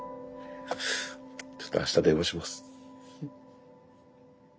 ちょっとあした電話します。